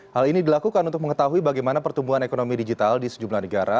hal ini dilakukan untuk mengetahui bagaimana pertumbuhan ekonomi digital di sejumlah negara